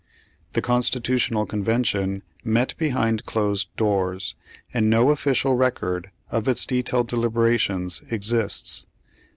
The Constitutional Convention met behind closed doors, and no official record of its detailed deliberations exists.